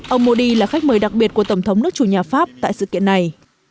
ông modi là khách mời đặc biệt của tổng thống nước chủ nhà pháp tại sự kiện này